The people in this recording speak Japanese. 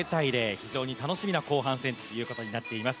非常に楽しみな後半戦となっています。